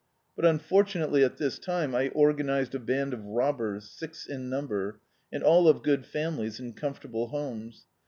But unfortunately, at this time, I organised a band of robbers, six in number, and all of good families and comfortable homes.